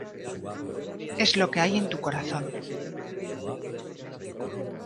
Es lo que hay en tu corazón.